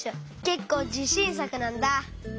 けっこうじしんさくなんだ。